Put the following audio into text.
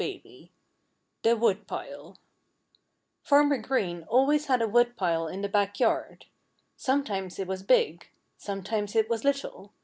IV THE WOODPILE Farmer Green always had a woodpile in the back yard. Sometimes it was big. Sometimes it was little.